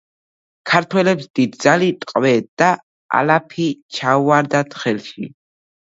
ქართველებს დიდძალი ტყვე და ალაფი ჩაუვარდათ ხელში.